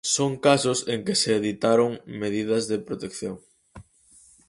Son casos en que se ditaron medidas de protección.